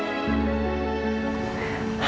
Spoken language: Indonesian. terima kasih pak